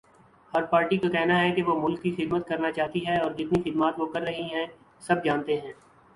ہر party کا کہنا ہے کے وہ ملک کی خدمت کرنا چاہتی ہے اور جتنی خدمات وہ کرر ہی ہیں سب جانتے ہیں